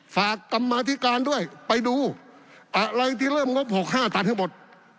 ฝากตำราธิการด้วยไปดูอะไรที่เริ่มก็ผกห้าตัดให้หมด